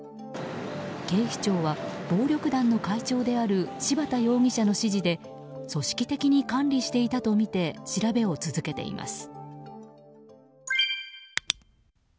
警視庁は暴力団の会長である柴田容疑者の指示で組織的に管理していたとみて調べを続けています。